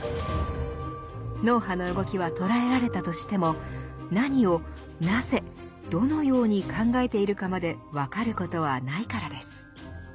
脳波の動きは捉えられたとしても何をなぜどのように考えているかまで分かることはないからです。